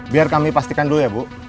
biar kami pastikan dulu ya bu